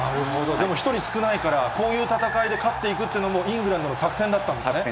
でも１人少ないから、こういう戦いで勝っていくのも、イングランドの作戦だったんですね。